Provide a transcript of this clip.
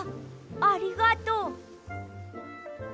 ありがとう。